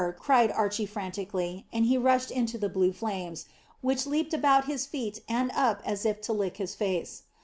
cried Archy frantically, and he rushed into the blue flames, which leaped about his feet and up as if to lick his face.